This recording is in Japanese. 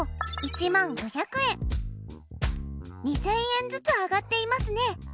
２０００円ずつ上がっていますね。